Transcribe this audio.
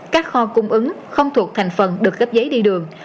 các kho cung ứng không thuộc thành phần được gấp giấy đi đường